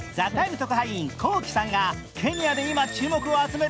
特派員ＫＯＫＩさんがケニアで今注目を集める